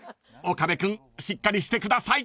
［岡部君しっかりしてください］